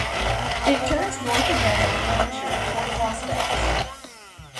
It turns north again at Blanchard toward Las Vegas.